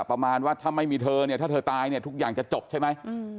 ประมาณว่าถ้าไม่มีเธอเนี่ยถ้าเธอตายเนี่ยทุกอย่างจะจบใช่ไหม